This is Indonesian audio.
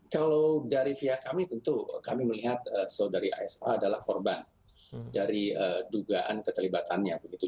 kalau dari pihak kami tentu kami melihat saudari asa adalah korban dari dugaan keterlibatannya begitu